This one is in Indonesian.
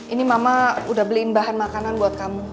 ini mama udah beliin bahan makanan buat kamu